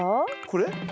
これ？